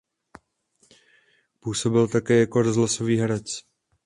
Působil také jako rozhlasový herec.